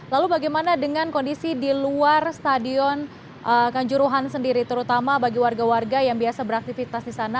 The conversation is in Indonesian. lalu bagaimana dengan kondisi di luar stadion kanjuruhan sendiri terutama bagi warga warga yang biasa beraktivitas di sana